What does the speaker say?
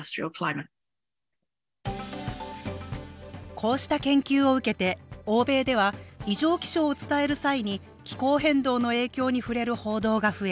こうした研究を受けて欧米では異常気象を伝える際に気候変動の影響に触れる報道が増え